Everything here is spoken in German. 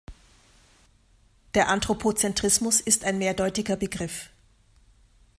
Der Anthropozentrismus ist ein mehrdeutiger Begriff.